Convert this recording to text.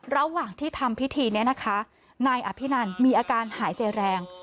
ระหว่างที่ทำพิธีนี้นะคะนายอภินันมีอาการหายใจแรง